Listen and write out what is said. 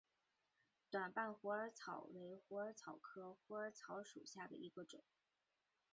短瓣虎耳草为虎耳草科虎耳草属下的一个种。